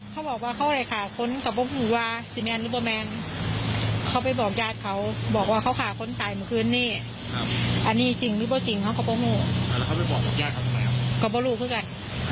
ก็ไม่รู้คือกัน